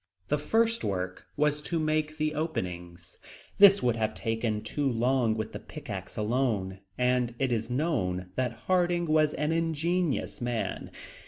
The first work was to make the openings. This would have taken too long with the pickaxe alone, and it is known that Harding was an ingenious man.